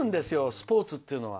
スポーツというのは。